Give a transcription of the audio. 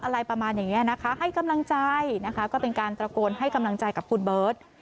อะไรประมาณอย่างนี้นะคะให้กำลังใจนะคะก็เป็นการตระโกนให้กำลังใจกับคุณเบิร์ต